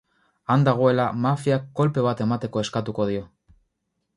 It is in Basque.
Han dagoela, mafiak kolpe bat emateko eskatuko dio.